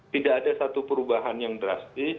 tidak ada satu perubahan yang drastis